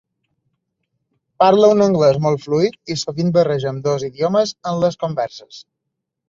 Parla un anglès molt fluid i sovint barreja ambdós idiomes en les converses.